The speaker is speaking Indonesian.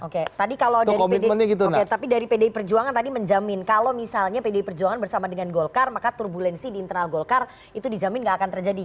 oke tadi kalau dari pdi perjuangan tadi menjamin kalau misalnya pdi perjuangan bersama dengan golkar maka turbulensi di internal golkar itu dijamin nggak akan terjadi